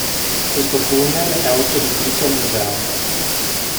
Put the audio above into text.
Questo tunnel è oggi adibito a museo.